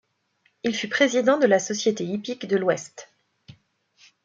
Il fut président de la Société hippique de l'Ouest.